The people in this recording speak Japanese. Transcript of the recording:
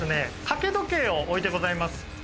掛け時計を置いてございます